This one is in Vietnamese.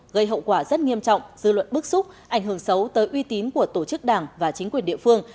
gây hậu quả rất nghiêm trọng dư luận bức xúc ảnh hưởng xấu tới uy tín của tổ chức đảng và chính quyền địa phương